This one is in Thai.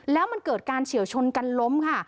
แล้วมันเกิดการเฉียวชนกันล้มค่ะ